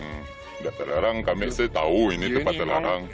tidak terlarang kami sih tahu ini tempat terlarang